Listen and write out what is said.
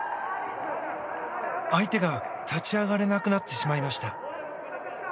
相手が立ち上がれなくなってしまいました。